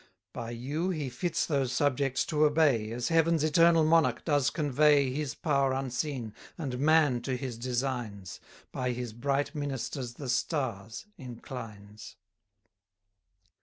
By you he fits those subjects to obey, As heaven's eternal Monarch does convey His power unseen, and man to his designs, By his bright ministers the stars, inclines.